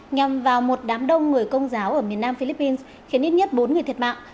nhằm vào một đám đông người công giáo ở miền nam philippines khiến ít nhất bốn người thiệt mạng